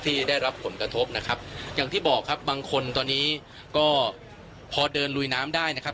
ที่ได้รับผลกระทบนะครับอย่างที่บอกครับบางคนตอนนี้ก็พอเดินลุยน้ำได้นะครับ